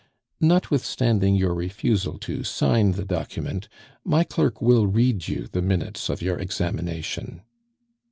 "Notwithstanding your refusal to sign the document, my clerk will read you the minutes of your examination."